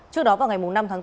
trước đó vào ngày năm tháng bốn